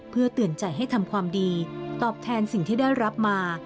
เพื่อเตือนใจให้ทำความดีตอบแทนสิ่งที่ได้รับมา